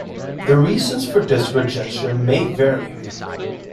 The reasons for this rejection may vary.